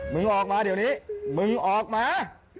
มึงออกมาเดี๋ยวนี้มึงออกมา